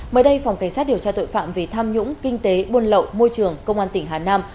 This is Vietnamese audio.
mới đây phòng cảnh sát điều tra tội phạm về tham nhũng kinh tế buôn lậu môi trường công an tỉnh hà nam